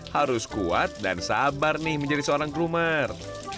harus kuat dan sabar nih menjadi seorang krumer